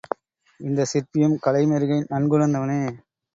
இந்தச் சிற்பியும் கலை மெருகை நன்குணர்ந்தவனே.